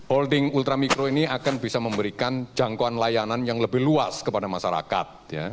holding ultramikro ini akan bisa memberikan jangkauan layanan yang lebih luas kepada masyarakat